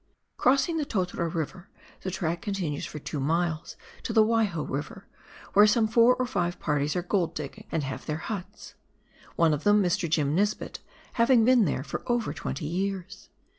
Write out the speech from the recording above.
Crossing the Totara River, the track continues for two miles to the Waiho River, where some four or five parties are gold digging, and have their huts ; one of them, Mr. Jim ]N"esbitt, having been there for over twenty years.